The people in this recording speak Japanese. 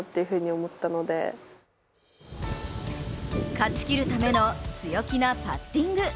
勝ちきるための強気なパッティング。